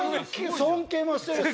尊敬もしてるし。